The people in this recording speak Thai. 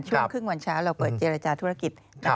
ช่วงครึ่งวันเช้าเราเปิดเจรจาธุรกิจ